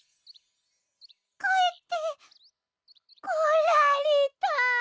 かえってこられた！